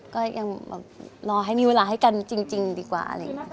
ก็ยังรอให้มีเวลาให้กันจริงดีกว่า